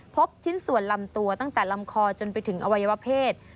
พบชิ้นส่วนลำตัวตั้งแต่ลำคอจนไปถึงอวัยวเพศ